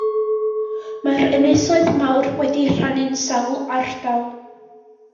Mae'r ynysoedd mawr wedi'u rhannu'n sawl ardal.